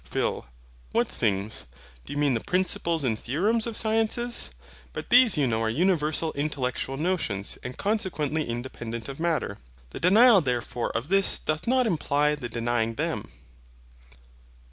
PHIL. What things? Do you mean the principles and theorems of sciences? But these you know are universal intellectual notions, and consequently independent of Matter. The denial therefore of this doth not imply the denying them.